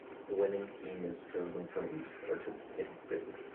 The winning team is chosen from each participating city.